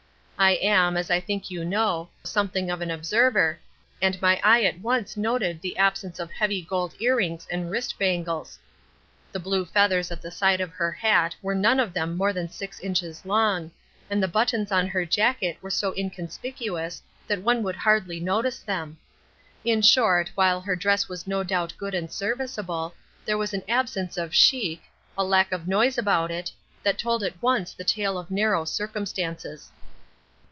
I am, as I think you know, something of an observer, and my eye at once noted the absence of heavy gold ear rings and wrist bangles. The blue feathers at the side of her hat were none of them more than six inches long, and the buttons on her jacket were so inconspicuous that one would hardly notice them. In short, while her dress was no doubt good and serviceable, there was an absence of chic, a lack of noise about it, that told at once the tale of narrow circumstances.